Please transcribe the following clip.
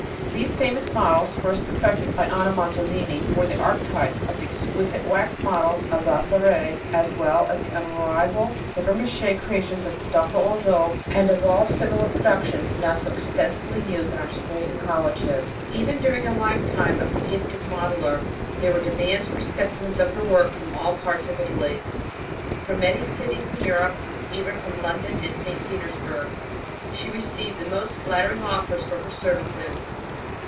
These famous models, first perfected by Anna Manzolini, were the archetypes of the exquisite wax models of Vassourie as well as of the unrivaled papier mâché creations of Dr. Auzoux and of all similar productions now so extensively used in our schools and colleges. Even during the lifetime of the gifted modeler there were demands for specimens of her work from all parts of Italy. From many cities in Europe, even from London and St. Petersburg, she received the most flattering offers for her services.